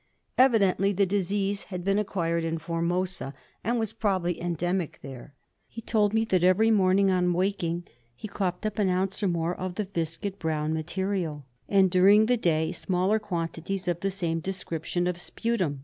Evidently the disease had been acquired in Formosa, and was probably endemic there. He said that every morning on waking he coughed up an ounce or more of the viscid brown material, and during the day smaller quantities of the same description of sputum.